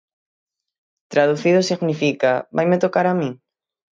Traducido significa, vaime tocar a min?